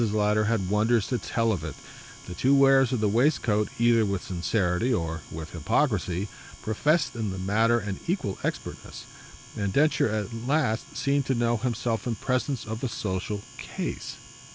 Lowder had wonders to tell of it; the two wearers of the waistcoat, either with sincerity or with hypocrisy, professed in the matter an equal expertness; and Densher at last seemed to know himself in presence of a social "case."